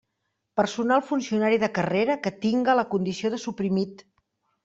Personal funcionari de carrera que tinga la condició de suprimit.